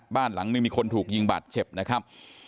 บ้านหลังนึงมีคนถูกยิงบาดเจ็บนะครับ